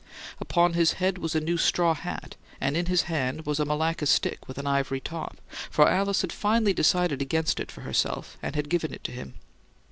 Upon his head was a new straw hat, and in his hand was a Malacca stick with an ivory top, for Alice had finally decided against it for herself and had given it to him.